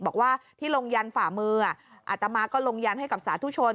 บอกว่าที่ลงยันฝ่ามืออาตมาก็ลงยันให้กับสาธุชน